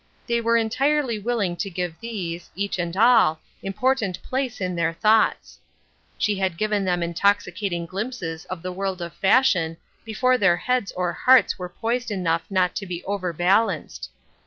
They were entirely willing to give these, each and all, important place in their thoughts. She had given them intoxicating glimpses of the world of fashion before their heads or hearts were poised enough not to be over balanced.